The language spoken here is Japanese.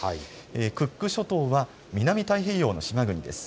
クック諸島は南太平洋の島国です。